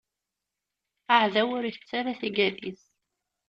Aɛdaw ur itettu ara tigad-is.